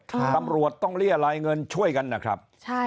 ตำรวจต้องเรียรายเงินช่วยกันนะครับ